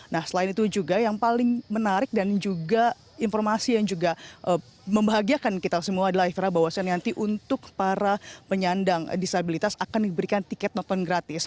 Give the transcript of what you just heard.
nah selain itu juga yang paling menarik dan juga informasi yang juga membahagiakan kita semua adalah eva bahwasannya nanti untuk para penyandang disabilitas akan diberikan tiket nonton gratis